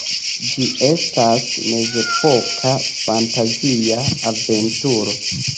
Ĝi estas mezepoka fantazia aventuro.